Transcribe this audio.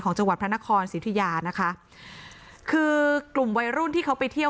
จังหวัดพระนครสิทธิยานะคะคือกลุ่มวัยรุ่นที่เขาไปเที่ยว